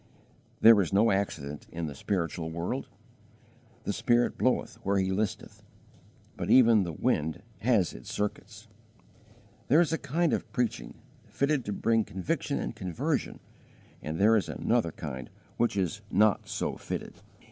There is no accident in the spiritual world. "The Spirit bloweth where He listeth," but even the wind has its circuits. There is a kind of preaching, fitted to bring conviction and conversion, and there is another kind which is not so fitted.